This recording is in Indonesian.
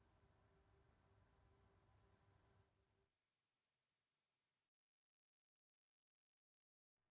tidak terlalu banyak